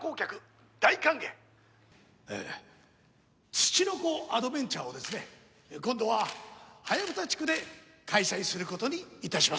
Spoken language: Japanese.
ツチノコアドベンチャーをですね今度はハヤブサ地区で開催する事に致します。